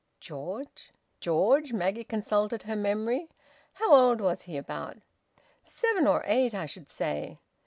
"George? George?" Maggie consulted her memory. "How old was he, about?" "Seven or eight, I should say."